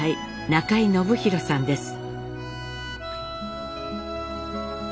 中井信弘さんです。